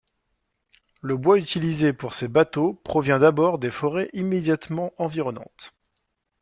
Le bois utilisé pour ces bateaux provient d'abord des forêts immédiatement environnantes.